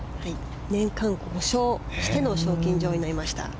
年間、５勝しての賞金女王になりました。